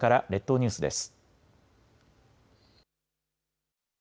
列島ニュースです。